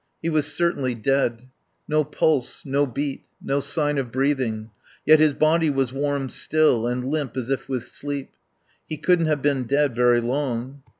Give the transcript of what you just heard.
He was certainly dead. No pulse; no beat; no sign of breathing. Yet his body was warm still, and limp as if with sleep. He couldn't have been dead very long.